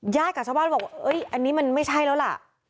กับชาวบ้านบอกอันนี้มันไม่ใช่แล้วล่ะ